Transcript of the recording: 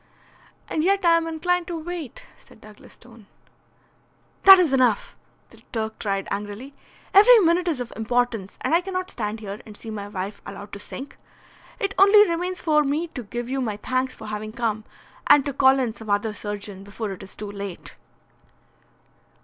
"And yet I am inclined to wait," said Douglas Stone. "That is enough!" the Turk cried, angrily. "Every minute is of importance, and I cannot stand here and see my wife allowed to sink. It only remains for me to give you my thanks for having come, and to call in some other surgeon before it is too late."